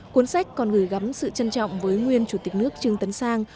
cuốn sách còn gửi gắm sự trân trọng với nguyên chủ tịch nước trương tấn sang